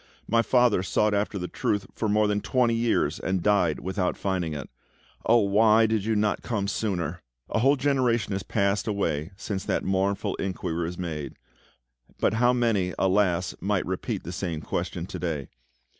My father sought after the Truth for more than twenty years, and died without finding it. Oh, why did you not come sooner?" A whole generation has passed away since that mournful inquiry was made; but how many, alas! might repeat the same question to day?